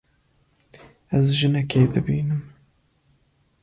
Ez jinekê dibînim.